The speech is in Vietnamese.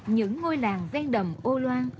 những ngôi làng ven đầm âu loan